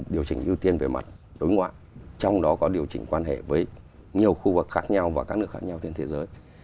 điều chỉnh ưu tiên về mặt đối ngoại trong đó có điều chỉnh quan hệ với nhiều khu vực khác nhau và các nước khác nhau trên thế giới